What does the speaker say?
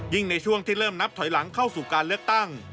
ในช่วงที่เริ่มนับถอยหลังเข้าสู่การเลือกตั้ง